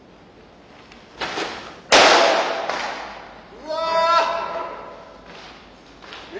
うわ！